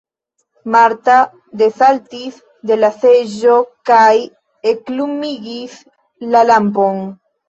Marta desaltis de la seĝo kaj eklumigis la lampon.